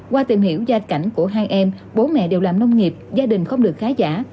qua tìm hiểu gia cảnh của hai em bố mẹ đều làm nông nghiệp gia đình không được khá giả